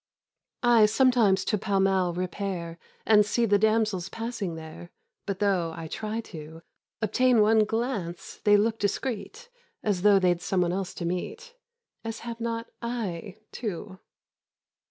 I sometimes to Pall Mall repair, And see the damsels passing there; But though I try to Obtain one glance, they look discreet, As though they'd someone else to meet,— As have not I too?